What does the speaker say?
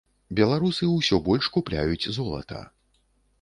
Беларусы ўсё больш купляюць золата.